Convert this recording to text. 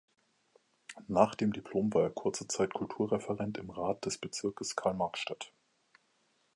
Nach dem Diplom war er kurze Zeit Kulturreferent im Rat des Bezirkes Karl-Marx-Stadt.